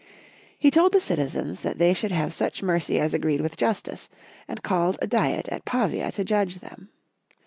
He told the citizens that they should have such mercy as agreed with justice, and called a diet at Pavia to judge them.